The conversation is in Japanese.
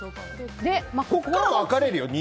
ここからは分かれるよ。